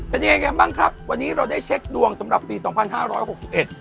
เป็นยังไงกันบ้างครับวันนี้เราได้เช็คดวงสำหรับปีสองพันห้าร้อยหกสิบเอ็ด